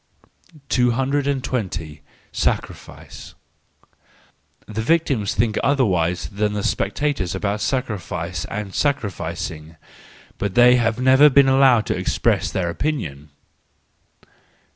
220. Sacrifice .—The victims think otherwise than the spectators about sacrifice and sacrificing: but they have never been allowed to express their opinion.